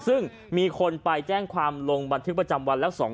ซึ่งมีคนไปแจ้งความลงบันทึกประจำวันแล้ว